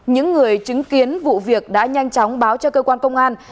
những người chứng kiến vụ việc đã nhanh chóng báo cho cơ quan công an